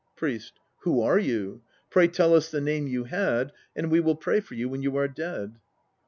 PRIEST. Who are you? Pray tell us the name you had, and we will pray for you when you are dead.